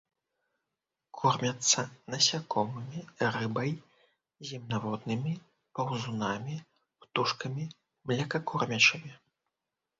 Кормяцца насякомымі, рыбай, земнаводнымі, паўзунамі, птушкамі, млекакормячымі.